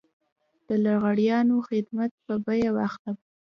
د لغړیانو خدمات په بيه واخلم.